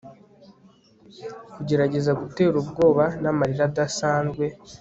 kugerageza gutera ubwoba n'amarira adasanzwe